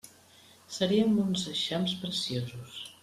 Seríem uns eixams preciosos!